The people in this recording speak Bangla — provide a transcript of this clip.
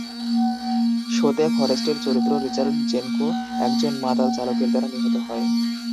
শোতে, ফরেস্টের চরিত্র রিচার্ড জেনকো একজন মাতাল চালকের দ্বারা নিহত হয়।